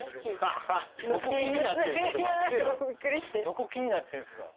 どこ気になってるんですか。